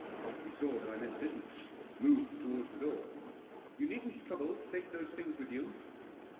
He saw that I meant business ; moved towards the door. " You needn't trouble to take those things with you."